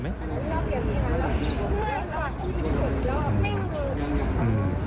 ไม่รู้